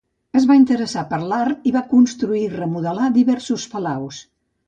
Es va interessar per l'art i va construir i remodelar diversos palaus.